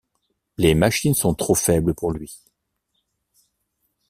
Les machines sont trop faibles pour lui.